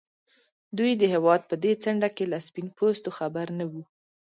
دوی د هېواد په دې څنډه کې له سپين پوستو خبر نه وو.